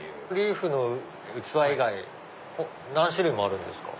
「ｌｅａｆ」の器以外何種類もあるんですか？